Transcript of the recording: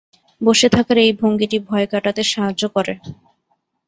বসে থাকার এই ভঙ্গিটি ভয় কাটাতে সাহায্য করে।